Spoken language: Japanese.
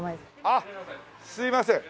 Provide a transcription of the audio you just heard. あっすいません。